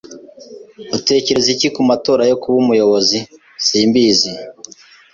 "Utekereza iki ku matora yo kuba umuyobozi?" "Simbizi."